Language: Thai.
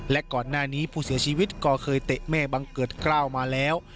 และก่อนหน้านี้ผู้เสียชีวิตก็เคยเตะแม่บังเกิดกล้าวมาแล้ว